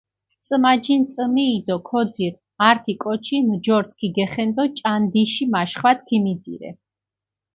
წჷმაჯინჷ წჷმიი დო ქოძირჷ, ართი კოჩი ნჯორსჷ ქიგეხენდო ჭანდიში მაშხვათჷ ქიმიძირე.